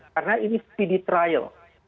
karena ini speedy trial